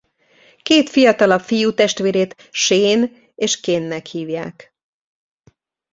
Két fiatalabb fiú testvérét Shane és Kane-nek hívják.